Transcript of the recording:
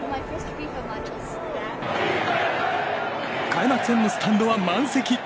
開幕戦のスタンドは満席。